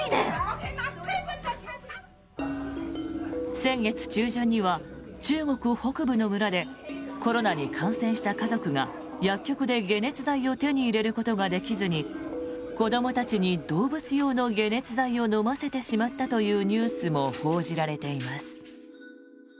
先月中旬には、中国北部の村でコロナに感染した家族が薬局で解熱剤を手に入れることができずに子どもたちに動物用の解熱剤を飲ませてしまったというニュースも報じられています。